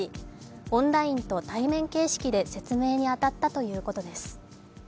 オンラインと対面形式で説明に当たったということです。